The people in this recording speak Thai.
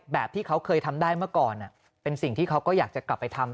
แบบที่เขาเคยทำได้เมื่อก่อนเป็นสิ่งที่เขาก็อยากจะกลับไปทำ